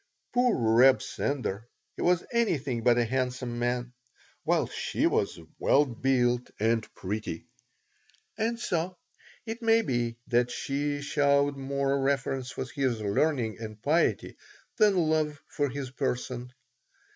Poor Reb Sender! He was anything but a handsome man, while she was well built and pretty. And so it may be that she showed more reverence for his learning and piety than love for his person.